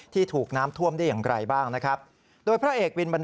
ที่ถูกน้ำท่วมได้ยังไกลบ้างนะครับ